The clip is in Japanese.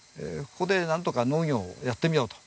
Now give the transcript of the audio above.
ここでなんとか農業をやってみようと。